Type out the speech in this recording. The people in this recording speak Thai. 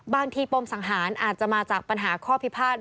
ปมสังหารอาจจะมาจากปัญหาข้อพิพาท